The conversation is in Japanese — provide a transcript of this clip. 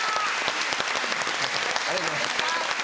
ありがとうございます。